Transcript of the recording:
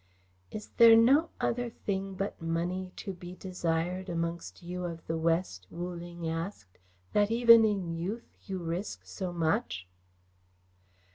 "Is there no other thing but money to be desired amongst you of the West," Wu Ling asked, "that even in youth you risk so much?"